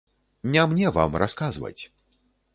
Не мне вам расказваць!